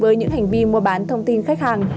với những hành vi mua bán thông tin khách hàng